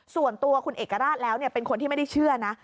ส่วนตัวคุณเอกราชแล้วเป็นคนที่ไม่ได้เชื่อนะ